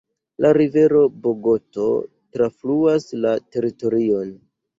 La rivero Bogoto trafluas la teritorion.